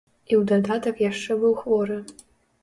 І ў дадатак яшчэ быў хворы.